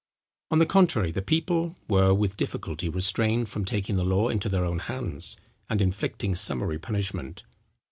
On the contrary, the people were with difficulty restrained from taking the law into their own hands, and inflicting summary punishment.